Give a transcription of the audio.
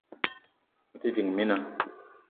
Me te ding, mina